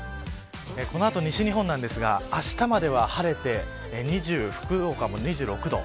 この後、西日本ですがあしたまでは晴れて福岡も２６度。